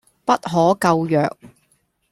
不可救藥